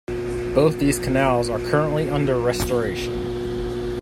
Both these canals are currently under restoration.